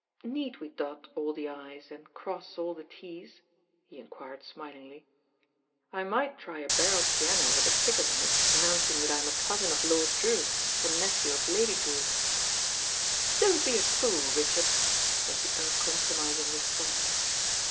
"Need we dot all the 'i's' and cross all the Ys'?" he enquired smilingly. "I might try a barrel piano with a ticket on it announcing that I am a cousin of Lord Drewitt and nephew of Lady Drewitt." "Don't Le a fool, Richard," was the uncompro mising response.